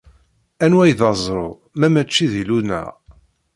Anwa i d aẓru, ma mačči d Illu-nneɣ?